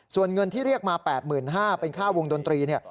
ส่วนเงินที่เรียกมา๘๕๐๐บาทเป็นค่าวงดนตรี